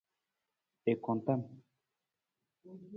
I kuntam.